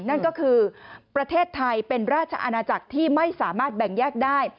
นั่นก็คือประเทศไทยเป็นราชอาณาจักรที่ไม่สามารถแบ่งแยกได้